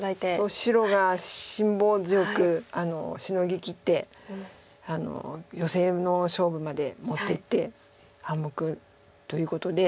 白が辛抱強くシノぎきってヨセの勝負まで持っていって半目ということで。